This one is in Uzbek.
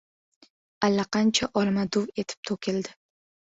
Allaqancha olma duv etib to‘kildi.